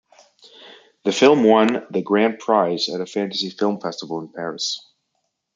The film won the grand prize at a fantasy film festival in Paris.